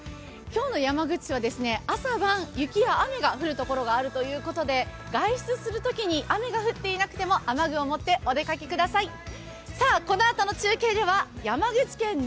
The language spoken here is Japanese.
今日の山口は朝晩、雪や雨が降る所があるということで外出するときに雨が降っていなくても雨具を持ってお出かけください。